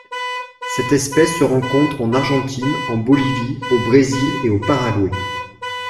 Cette espèce se rencontre en Argentine, en Bolivie, au Brésil et au Paraguay.